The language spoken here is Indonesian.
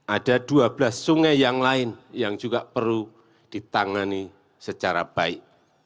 ada dua belas sungai yang lain yang juga perlu ditangani secara baik